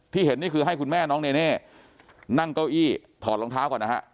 เห็นนี่คือให้คุณแม่น้องเนเน่นั่งเก้าอี้ถอดรองเท้าก่อนนะฮะ